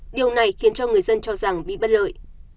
điều này khiến cho người dân cho rằng bị bất lợi